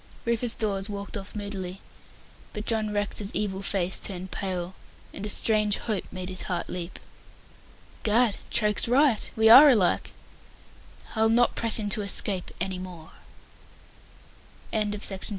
Rufus Dawes walked off moodily; but John Rex's evil face turned pale, and a strange hope made his heart leap. "Gad, Troke's right; we are alike. I'll not press him to escape any more." CHAPTER XXIII. RUNNING THE GAUNTLET.